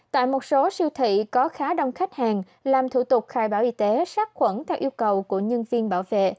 tại một số siêu thị có khá đông khách hàng làm thủ tục khai báo y tế sát khuẩn theo yêu cầu của nhân viên bảo vệ